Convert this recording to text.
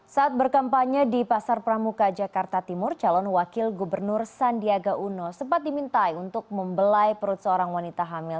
saat berkampanye di pasar pramuka jakarta timur calon wakil gubernur sandiaga uno sempat dimintai untuk membelai perut seorang wanita hamil